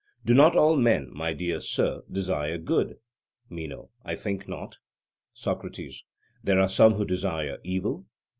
Do not all men, my dear sir, desire good? MENO: I think not. SOCRATES: There are some who desire evil?